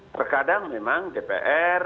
terkadang memang dpr